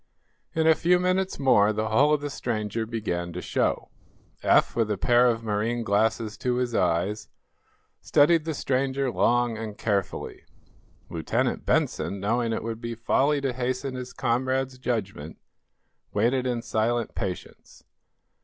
In a few minutes more the hull of the stranger began to show. Eph, with a pair of marine glasses to his eyes, studied the stranger long and carefully. Lieutenant Benson, knowing it would be folly to hasten his comrade's judgment, waited in silent patience.